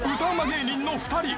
芸人の２人］